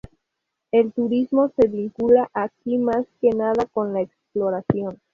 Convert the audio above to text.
El turismo se vincula aquí más que nada con la exploración.